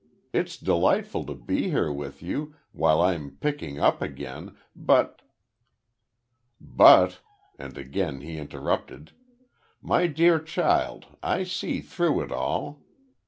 It's delightful to be here with you, while I'm picking up again, but " "`But'," and again he interrupted. "My dear child, I see through it all.